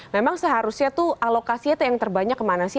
memang seharusnya tuh alokasinya itu yang terbanyak kemana sih